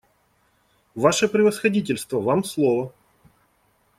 Ваше Превосходительство, вам слово.